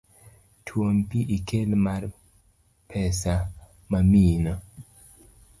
Tuom pi ikel mar pesa mamiyino